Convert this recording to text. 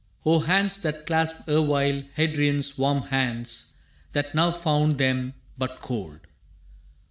O hands that clasped erewhile Hadrian's warm hands, That now found them but cold!